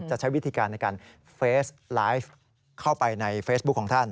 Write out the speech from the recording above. ใช้วิธีการในการเฟสไลฟ์เข้าไปในเฟซบุ๊คของท่าน